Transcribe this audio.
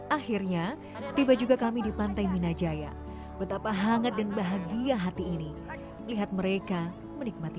akhirnya tiba juga kami di pantai minajaya betapa hangat dan bahagia hati ini lihat mereka menikmati